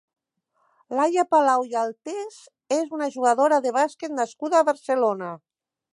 Laia Palau i Altés és una jugadora de basquet nascuda a Barcelona.